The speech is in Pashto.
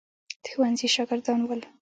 د ښوونځي شاګردان ول.